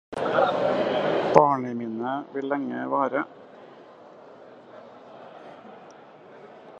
Barneminnet vil lenge vare